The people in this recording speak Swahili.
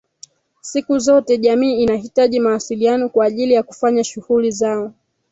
Siku zote jamii inahitaji mawasiliano kwa ajili ya kufanya shughuli zao